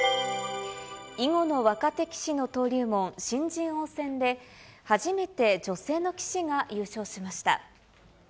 囲碁の若手棋士の登竜門、新人王戦で、初めて女性の棋士が優勝しました。